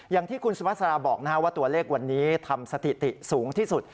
อย่างที่คุณสุภาษาราบอกว่าตัวเลขวันนี้ทำสถิติสูงที่สุด